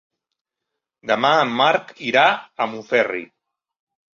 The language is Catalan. Demà en Marc irà a Montferri.